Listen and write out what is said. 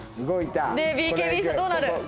ＢＫＢさんどうなる？